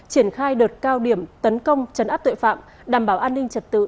triển khai đợt cao điểm tấn công chấn áp tội phạm đảm bảo an ninh trật tự